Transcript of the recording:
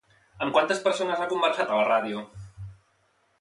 Amb quantes persones ha conversat a la ràdio?